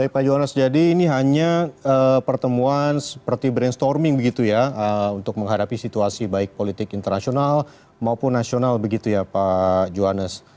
baik pak jonas jadi ini hanya pertemuan seperti brainstorming begitu ya untuk menghadapi situasi baik politik internasional maupun nasional begitu ya pak johannes